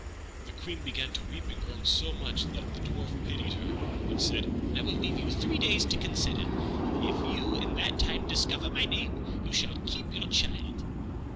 The Queen began to weep and groan so much that the Dwarf pitied her, and said, "I will leave you three days to consider; if you in that time discover my name you shall keep your child."